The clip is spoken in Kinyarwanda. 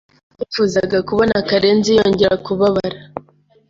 Sinifuzaga kubona Karenzi yongera kubabara.